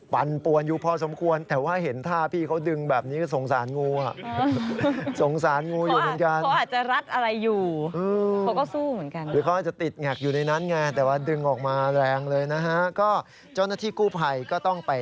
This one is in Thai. ปั่นปวนอยู่พอสมควรแต่ว่าเห็นท่าพี่เขาดึงแบบนี้ก็สงสารงูอ่ะ